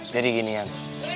jadi gini yan